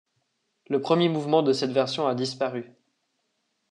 Le premier mouvement de cette version a disparu.